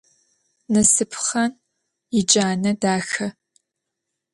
Nasıpxhan yicane daxe.